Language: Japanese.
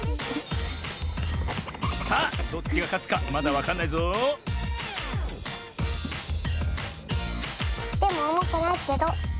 さあどっちがかつかまだわかんないぞでもおもくないけど。